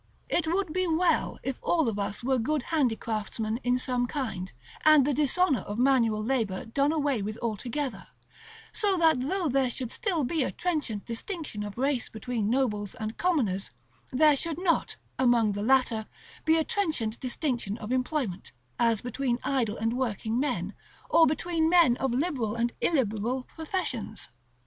It would be well if all of us were good handicraftsmen in some kind, and the dishonor of manual labor done away with altogether; so that though there should still be a trenchant distinction of race between nobles and commoners, there should not, among the latter, be a trenchant distinction of employment, as between idle and working men, or between men of liberal and illiberal professions.